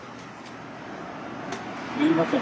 すみません。